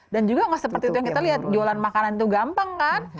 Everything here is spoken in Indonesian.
dan juga tidak seperti itu yang kita lihat jualan makanan itu gampang kan